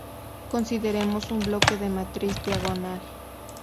Consideremos un bloque de matriz diagonal.